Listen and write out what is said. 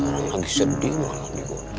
lagi sedih walaupun